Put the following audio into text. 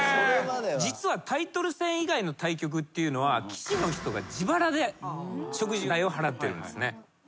実はタイトル戦以外の対局っていうのは棋士の人が自腹で食事代を払ってるんです。